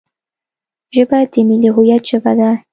ژبه د ملي هویت ژبه ده